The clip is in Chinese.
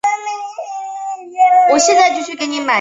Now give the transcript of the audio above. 秤钩风为防己科秤钩风属下的一个种。